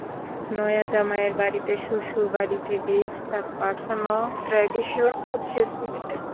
নয়া জামাইয়ের বাড়িতে শ্বশুর বাড়ি থেকে ইফতার পাঠানোর ট্র্যাডিশন আছে সিলেটে।